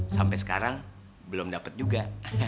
sampai sekarang belum dapat juga